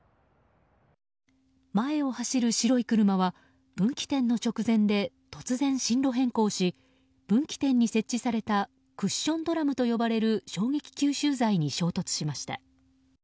前を走る白い車は分岐点の直前で突然、進路変更し分岐点に設置されたクッションドラムと呼ばれる衝撃吸収材に衝突しました。